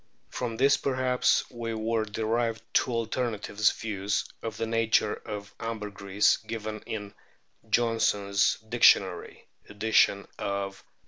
From this perhaps were derived two alternative views of the nature of ambergris given in Johnsons Dictionary (edition of 1818).